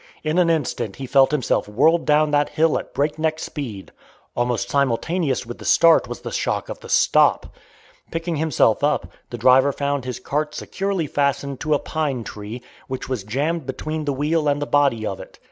In an instant he felt himself whirled down that hill at breakneck speed. Almost simultaneous with the start was the shock of the stop. Picking himself up, the driver found his cart securely fastened to a pine tree, which was jammed between the wheel and the body of it.